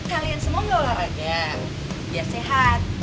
kalian semua gak olahraga biar sehat